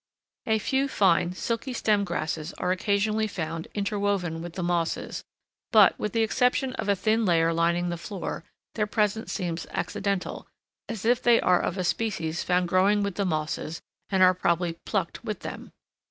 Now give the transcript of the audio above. A few fine, silky stemmed grasses are occasionally found interwoven with the mosses, but, with the exception of a thin layer lining the floor, their presence seems accidental, as they are of a species found growing with the mosses and are probably plucked with them.